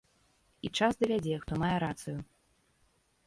І час давядзе, хто мае рацыю.